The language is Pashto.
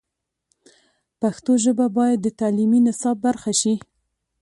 پښتو ژبه باید د تعلیمي نصاب برخه شي.